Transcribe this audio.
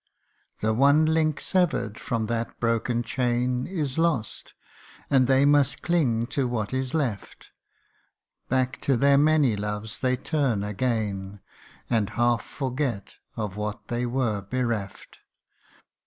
The one link sever'd from that broken chain Is lost, and they must cling to what is left ; CANTO II. 63 Back to their many loves they turn again, And half forget of what they were bereft.